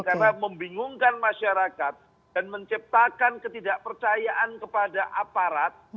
karena membingungkan masyarakat dan menciptakan ketidakpercayaan kepada aparat